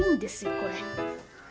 これ。